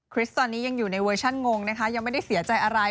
ตอนนี้ยังอยู่ในเวอร์ชันงงนะคะยังไม่ได้เสียใจอะไร